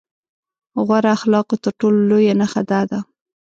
غوره اخلاقو تر ټولو لويه نښه دا ده.